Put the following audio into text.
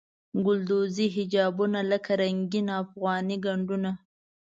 ګلدوزي حجابونه لکه رنګین افغاني ګنډونه.